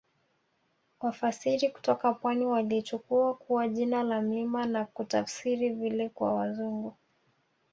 Wafasiri kutoka pwani waliichukua kuwa jina la mlima na kutafsiri vile kwa Wazungu